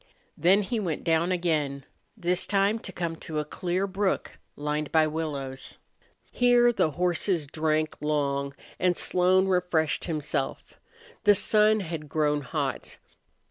Then he went down again, this time to come to a clear brook lined by willows. Here the horses drank long and Slone refreshed himself. The sun had grown hot.